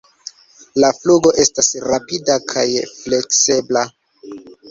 La flugo estas rapida kaj fleksebla.